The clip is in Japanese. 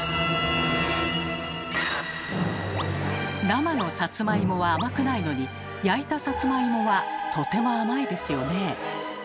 生のサツマイモは甘くないのに焼いたサツマイモはとても甘いですよね。